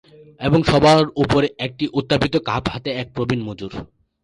এবং সবার উপরে একটি উত্থাপিত কাপ হাতে এক প্রবীণ মজুর।